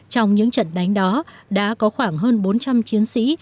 trong những trận đánh đó đã có khoảng hơn bốn trăm linh chiến sĩ